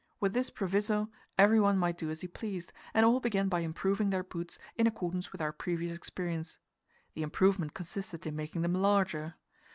With this proviso everyone might do as he pleased, and all began by improving their boots in accordance with our previous experience. The improvement consisted in making them larger.